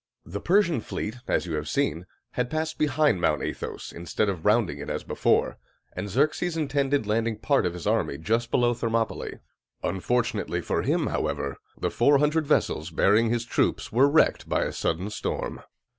The Persian fleet, as you have seen, had passed behind Mount Athos, instead of rounding it as before, and Xerxes intended landing part of his army just below Thermopylæ. Unfortunately for him, however, the four hundred vessels bearing his troops were wrecked by a sudden storm.